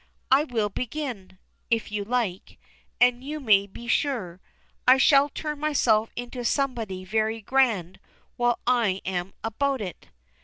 I will begin, if you like; and, you may be sure, I shall turn myself into somebody very grand while I am about it."